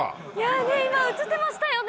ねぇ今映ってましたよね？